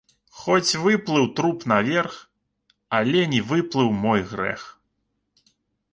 Хоць выплыў труп наверх, але не выплыў мой грэх!